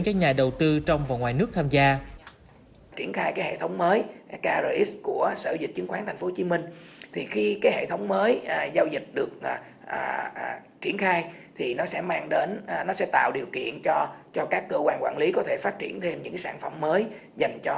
cho nhà đầu tư trong và ngoài nước tham gia